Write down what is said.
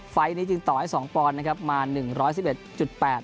ไฟล์นี้จึงต่อให้สองปอนด์นะครับมาหนึ่งร้อยสิบเอ็ดจุดแปด